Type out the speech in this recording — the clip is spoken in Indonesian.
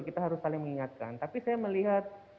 kita harus saling mengingatkan tapi saya melihat